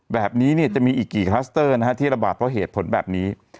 แบบนี้จะมีอีกกี่คลัสเตอร์ที่ระบาดเพราะเหตุผลแบบนี้